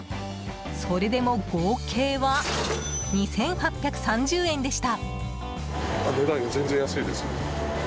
それでも合計は２８３０円でした。